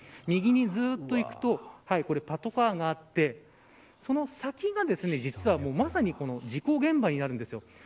右にずっといくとパトカーがあってその先が実はまさに事故現場になるんです。